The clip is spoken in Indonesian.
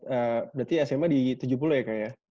berarti sma di tujuh puluh ya kak ya